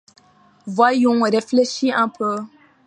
Voyons! réfléchis un peu.